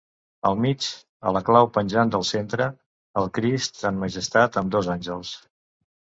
Al mig, a la clau penjant del centre, el Crist en majestat amb dos àngels.